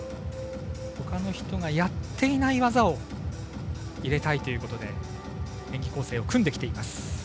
ほかの人がやっていない技を入れたいということで演技構成を組んできています。